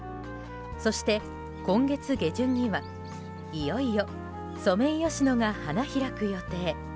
そして今月下旬には、いよいよソメイヨシノが花開く予定。